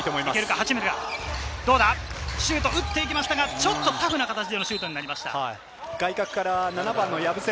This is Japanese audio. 八村、シュートを打っていきましたが、ちょっとタフな形になりました。